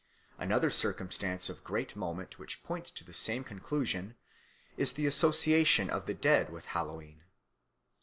Another circumstance of great moment which points to the same conclusion is the association of the dead with Hallowe'en.